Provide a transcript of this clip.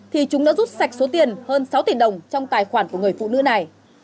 thì chúng đã rút sạch số tiền hơn sáu tỷ đồng trong tài khoản của người phụ nữ này